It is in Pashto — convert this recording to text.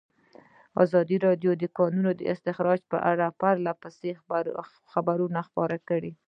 ازادي راډیو د د کانونو استخراج په اړه پرله پسې خبرونه خپاره کړي.